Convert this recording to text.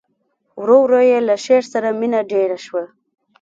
ورو ورو یې له شعر سره مینه ډېره شوه